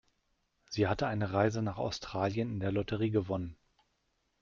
Sie hat eine Reise nach Australien in der Lotterie gewonnen.